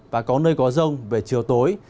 và có nơi có rông về chiều tối